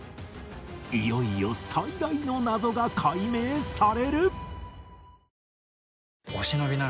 いよいよ最大の謎が解明される！